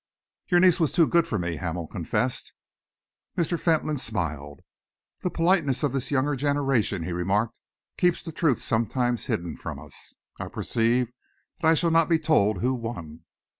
"Your niece was too good for me," Hamel confessed. Mr. Fentolin smiled. "The politeness of this younger generation," he remarked, "keeps the truth sometimes hidden from us. I perceive that I shall not be told who won.